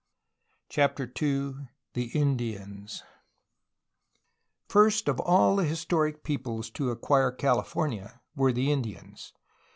CHAPTER II THE INDIANS First of all the historic peoples to acquire California were the Indians.